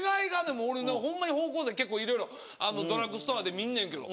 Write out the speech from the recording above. もう俺ほんまに芳香剤結構いろいろドラッグストアで見んねんけど。